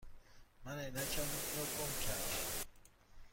من عینکم را گم کرده ام.